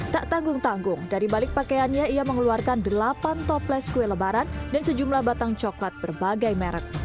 tak tanggung tanggung dari balik pakaiannya ia mengeluarkan delapan toples kue lebaran dan sejumlah batang coklat berbagai merek